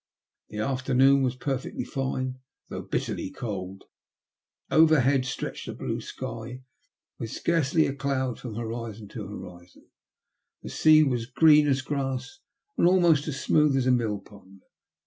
The afternoon was perfectly fine, though bitterly cold; overhead stretched a blue sky, with scarcely a cloud from horizon to horizon ; the sea was green as grass, and almost as smooth as a millpond.